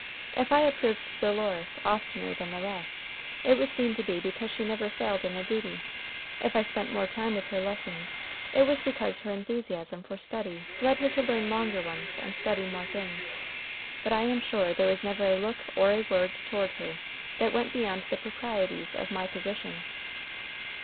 If I approved Dolores oftener than the rest, it was seen to be because she never failed in a duty; if I spent more time with her lessons, it was because her enthusiasm for study led her to learn longer ones and study more things; but I am sure there was never a look or a word toward her that went beyond the proprieties of my position.